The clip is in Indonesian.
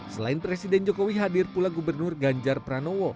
selain presiden jokowi hadir pula gubernur ganjar pranowo